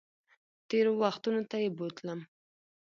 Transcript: تېرو وختونو ته یې بوتلم